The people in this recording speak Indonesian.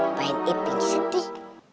ngapain ipin sedih